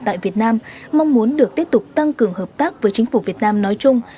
tại việt nam mong muốn được tiếp tục tăng cường hợp tác với chính phủ việt nam nói chung